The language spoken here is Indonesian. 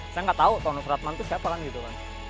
saya nggak tahu tono fratman itu siapa kan gitu kan